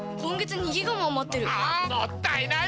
もったいない！